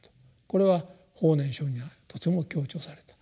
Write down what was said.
これは法然上人はとても強調された。